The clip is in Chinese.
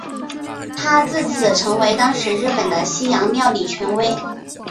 他自此成为当时日本的西洋料理权威。